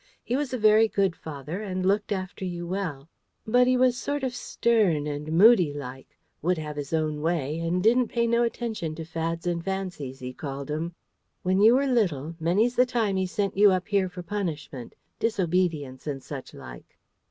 He was a very good father, and looked after you well; but he was sort of stern and moody like would have his own way, and didn't pay no attention to fads and fancies, he called 'em. When you were little, many's the time he sent you up here for punishment disobedience and such like."